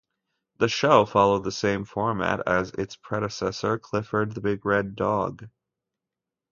The show followed the same format as its predecessor, "Clifford the Big Red Dog".